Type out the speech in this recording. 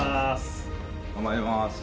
頑張ります。